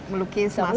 melukis masak lupa lagi